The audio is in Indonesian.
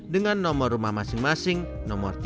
dengan nomor rumah masing masing nomor tiga dan empat belas